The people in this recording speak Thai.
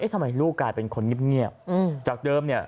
ทำไมลูกกลายเป็นคนเงียบจากเดิมเนี่ย